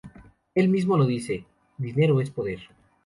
Él mismo lo dice: 'Dinero es poder'.